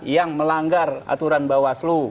yang melanggar aturan bawaslu